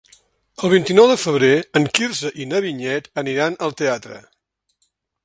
El vint-i-nou de febrer en Quirze i na Vinyet aniran al teatre.